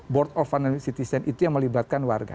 board of finance citizen itu yang melibatkan warga